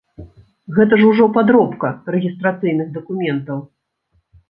Гэта ж ужо падробка рэгістрацыйных дакументаў.